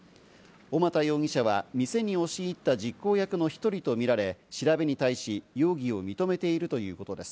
小俣容疑者は店に押し入った実行役の１人とみられ、調べに対し容疑を認めているということです。